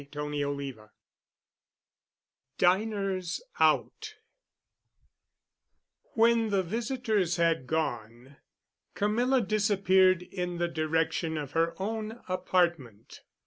*CHAPTER V* *DINERS OUT* When the visitors had gone, Camilla disappeared in the direction of her own apartment.